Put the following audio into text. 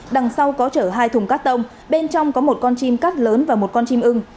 đằng sau có chở hai thùng cắt tông bên trong có một con chim cát lớn và một con chim ưng